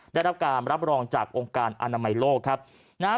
ได้รับการรับรองจากองค์การอนามัยโลกครับนะฮะ